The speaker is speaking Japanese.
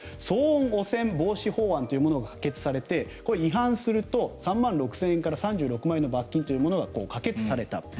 騒音汚染防止法案というものが可決されて違反すると３万６０００円から３６万円の罰金が可決された。